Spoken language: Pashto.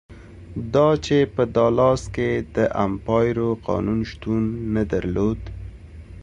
دا چې په دالاس کې د امپارو قانون شتون نه درلود.